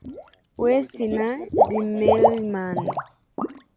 West na Zimmerman